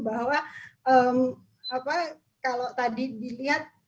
bahwa kalau tadi dilihat